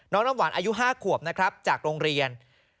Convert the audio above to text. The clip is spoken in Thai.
น้ำหวานอายุ๕ขวบนะครับจากโรงเรียน